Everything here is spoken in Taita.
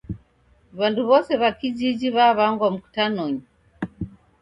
W'andu w'ose w'a kijiji w'aw'angwa mkutanony